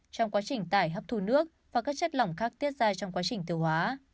trong quá trình tải hấp thù nước và các chất lỏng khác tiết ra trong quá trình tiêu hóa